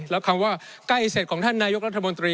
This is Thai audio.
แล้วคำว่าใกล้เสร็จของท่านนายกรัฐมนตรี